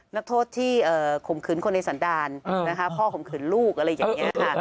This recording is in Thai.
นักโทษที่ข่มขืนคนในสันดารนะคะพ่อข่มขืนลูกอะไรอย่างนี้ค่ะ